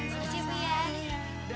terima kasih bu ya